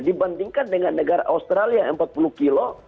dibandingkan dengan negara australia yang empat puluh kilo